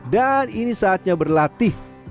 dan ini saatnya berlatih